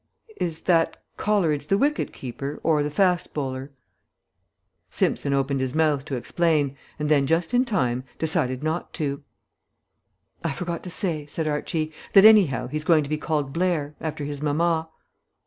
"Is that Coleridge the wicket keeper, or the fast bowler?" Simpson opened his mouth to explain, and then, just in time, decided not to. "I forgot to say," said Archie, "that anyhow he's going to be called Blair, after his mamma."